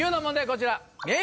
こちら。